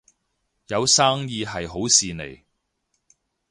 有生意係好事嚟